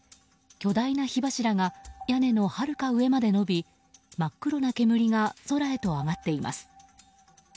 巨大な火柱が屋根のはるか上まで延び真っ黒な煙が空へと上がっています。